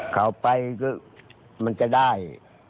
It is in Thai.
เขาไปก็มันจะได้